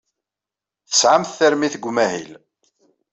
Tesɛamt tarmit deg umahil.